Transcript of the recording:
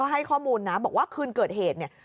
อีกหนึ่งเขาให้ข้อมูลนะบอกว่าคืนเกิดเหตุเนี่ย